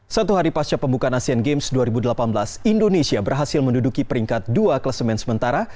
satu hari pasca pembukaan asian games dua ribu delapan belas indonesia berhasil menduduki peringkat dua kelas men sementara